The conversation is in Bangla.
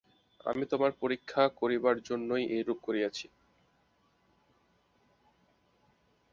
আমি তোমায় পরীক্ষা করিবার জন্যই এইরূপ করিয়াছি।